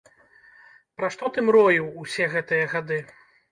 Пра што ты мроіў усе гэтыя гады?